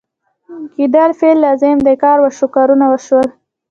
کېدل فعل لازم دی کار وشو ، کارونه وشول